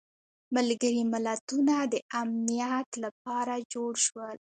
ملګري ملتونه د امنیت لپاره جوړ شول.